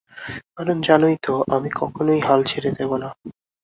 কারণ জানোই তো, আমি কখনোই হাল ছেড়ে দেবো না।